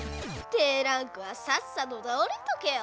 低ランクはさっさと倒れとけよ！